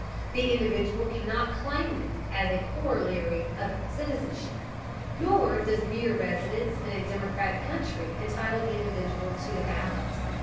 The individual cannot claim it as a corollary of citizenship. Nor does mere residence in a democratic country entitle the individual to the ballot.